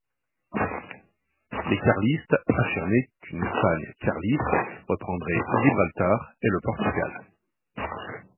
Les Carlistes affirmaient qu'une Espagne carliste reprendrait Gibraltar et le Portugal.